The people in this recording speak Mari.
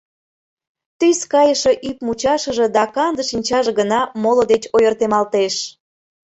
Тӱс кайыше ӱп мучашыже да канде шинчаже гына моло деч ойыртемалтеш.